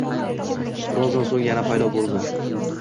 Birozdan so`ng yana paydo bo`ldi